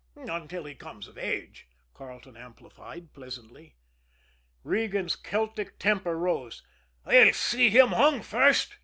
"'Until he come of age,'" Carleton amplified pleasantly. Regan's Celtic temper rose. "I'll see him hung first!"